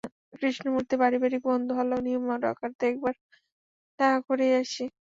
কৃষ্ণমূর্তি পারিবারিক বন্ধু হলেও নিয়ম রক্ষার্থে একবার দেখা করেই আসি।